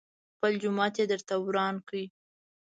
خپل جومات يې درته وران کړ.